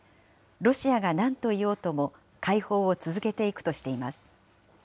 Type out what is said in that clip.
ロシアがなんと言おうとも、解放を続けていくとしています。